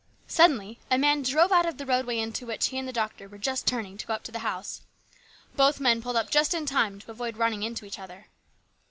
Suddenly a man drove out of the roadway into which he and the doctor were just turning to go up to the house. Both men pulled up just in time to avoid running into each other.